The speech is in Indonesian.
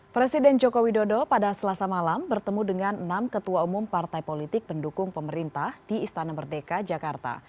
presiden joko widodo pada selasa malam bertemu dengan enam ketua umum partai politik pendukung pemerintah di istana merdeka jakarta